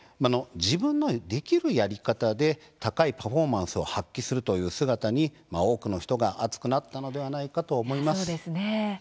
自分のできるやり方で高いパフォーマンスを発揮する姿に多くの人が熱くなったのではないかと思います。